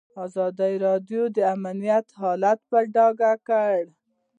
ازادي راډیو د امنیت حالت په ډاګه کړی.